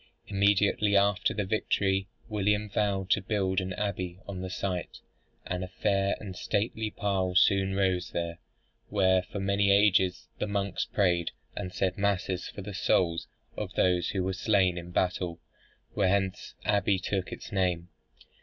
Immediately after his victory William vowed to build an abbey on the site; and a fair and stately pile soon rose there, where for many ages the monks prayed, and said masses for the souls of those who were slain in the battle, whence the abbey took its name.